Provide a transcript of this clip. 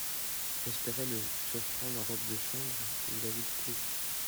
J'espérais le surprendre en robe de chambre ; mais il a vu le coup.